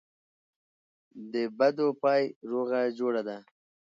دبدو پای روغه جوړه ده.